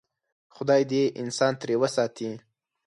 خدای دې انسان ترې وساتي.